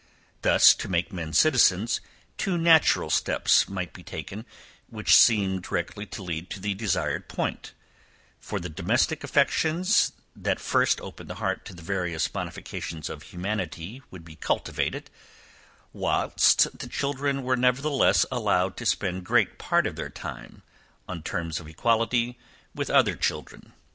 Thus to make men citizens, two natural steps might be taken, which seem directly to lead to the desired point; for the domestic affections, that first open the heart to the various modifications of humanity would be cultivated, whilst the children were nevertheless allowed to spend great part of their time, on terms of equality, with other children.